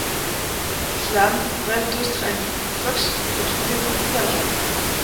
Flamme rêve d'Australie, Fox de trouver beaucoup d'argent.